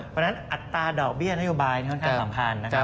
เพราะฉะนั้นอัตราดอกเบี้ยนโยบายค่อนข้างสำคัญนะครับ